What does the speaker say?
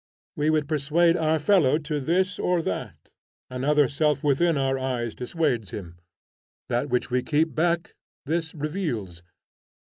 We would persuade our fellow to this or that; another self within our eyes dissuades him. That which we keep back, this reveals.